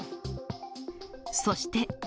そして。